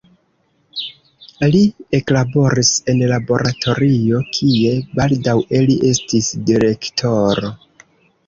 Li eklaboris en laboratorio, kie baldaŭe li estis direktoro.